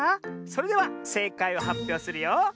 それではせいかいをはっぴょうするよ。